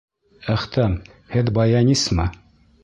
Әхтәм, һеҙ баянисмы?